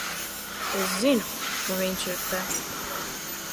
Es zinu, ka viņš ir te.